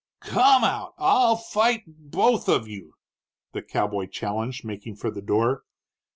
"Come out! I'll fight both of you!" the cowboy challenged, making for the door.